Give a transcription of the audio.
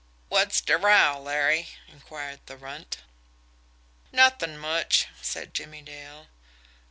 "Wot's de row, Larry?" inquired the Runt. "Nuthin' much," said Jimmie Dale.